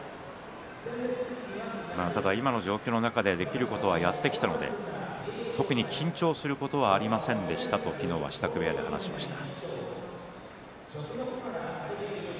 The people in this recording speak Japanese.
今の状況の中でできることはやってきたんで特に緊張することはありませんと支度部屋では昨日話していました。